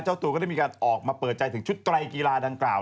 เจ้าตัวก็ได้มีการออกมาเปิดใจถึงชุดไตรกีฬาดังกล่าว